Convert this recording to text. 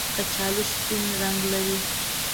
کچالو سپین رنګ لري